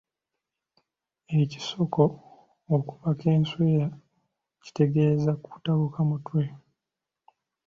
Ekisoko okubaka enswera kitegeeza kutabuka mutwe.